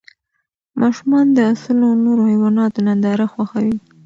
ماشومان د اسونو او نورو حیواناتو ننداره خوښوي.